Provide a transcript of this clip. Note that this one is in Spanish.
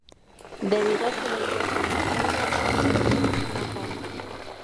Debido a que ella tenía "problemas" con McMahon.